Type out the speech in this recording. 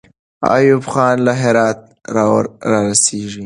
ایوب خان له هراته را رسېږي.